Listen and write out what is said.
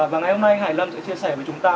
và ngày hôm nay hải lâm sẽ chia sẻ với chúng ta